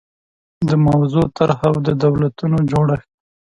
د موضوع طرحه او د دولتونو جوړښت